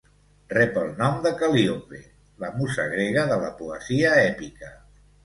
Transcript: Rep el nom de Cal·líope, la musa grega de la poesia èpica.